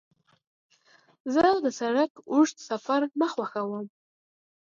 زه د سړک اوږد سفر نه خوښوم.